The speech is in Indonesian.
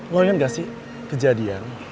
lo inget gak sih kejadian